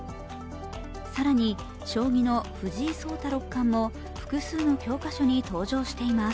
更に、将棋の藤井聡太六冠も複数の教科書に登場しています。